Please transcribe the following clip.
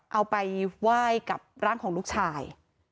เอาไปไหว้กับร่างของลูกชาย